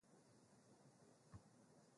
Utukufu wote ni kwako.